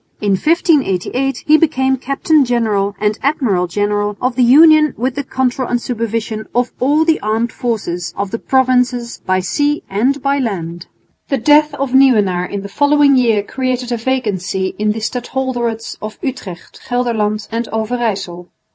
In 1588 he became Captain General and Admiral General of the Union with the control and supervision of all the armed forces of the Provinces by sea and by land. The death of Nieuwenaar in the following year created a vacancy in the stadholderates of Utrecht, Gelderland and Overyssel.